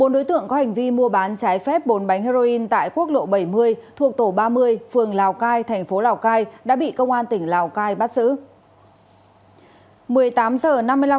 bốn đối tượng có hành vi mua bán trái phép bốn bánh heroin tại quốc lộ bảy mươi thuộc tổ ba mươi phường lào cai thành phố lào cai đã bị công an tỉnh lào cai bắt giữ